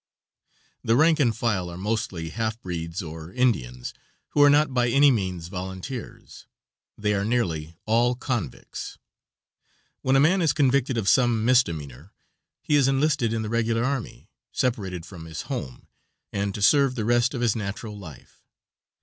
The rank and file are mostly half breeds or Indians, who are not by any means volunteers. They are nearly all convicts. When a man is convicted of some misdemeanor he is enlisted in the regular army, separated from his home, and to serve the rest of his natural life.